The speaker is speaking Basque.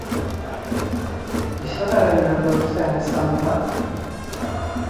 Gizon haren beldur zen Sandra?